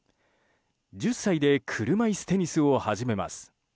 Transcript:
１０歳で車いすテニスを始めます。